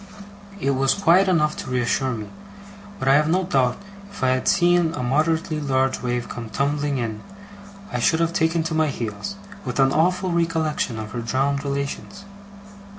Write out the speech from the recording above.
It was quiet enough to reassure me, but I have no doubt if I had seen a moderately large wave come tumbling in, I should have taken to my heels, with an awful recollection of her drowned relations.